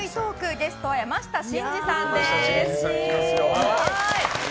ゲストは山下真司さんです。